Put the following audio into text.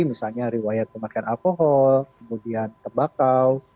misalnya riwayat pemakaian alkohol kemudian tembakau